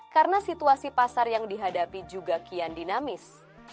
karena situasi pasar yang dihadapi juga kian dinamis